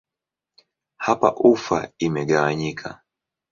Hapa ufa imegawanyika.